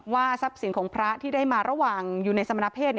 ทรัพย์สินของพระที่ได้มาระหว่างอยู่ในสมณเพศ